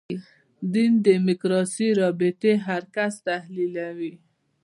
دین دیموکراسي رابطې هر کس تحلیلوي.